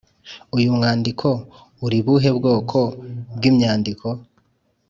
uyu mwandiko uri buhe bwoko bw'imyandiko?